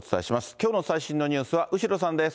きょうの最新のニュースは後呂さんです。